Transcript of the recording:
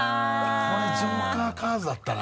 これジョーカーカードだったな。